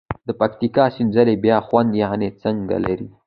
د پکتیکا سینځلي بیل خوند یعني څکه لري.